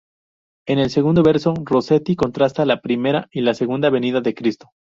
En el segundo verso, Rossetti contrasta la primera y la segunda venida de Cristo.